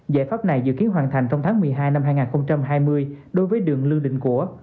giải pháp này dự kiến hoàn thành trong tháng một mươi hai năm hai nghìn hai mươi đối với đường lương đình cổ